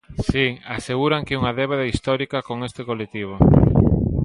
Si, aseguran que é unha débeda histórica con este colectivo.